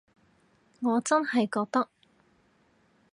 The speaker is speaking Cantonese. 我真係覺得